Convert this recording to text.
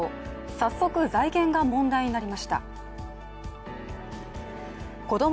早速、財源が問題になりました。